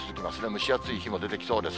蒸し暑い日も出てきそうです。